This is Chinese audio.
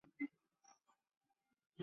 萨尔特河畔圣斯科拉斯人口变化图示